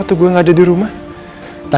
kita perubah kita